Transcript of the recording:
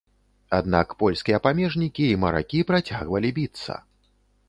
Аднак польскія памежнікі і маракі працягвалі біцца.